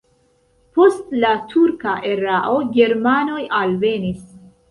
Post la turka erao germanoj alvenis.